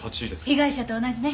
被害者と同じね。